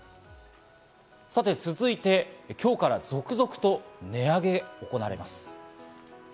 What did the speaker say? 続いて今日から続々と値上げが行われます。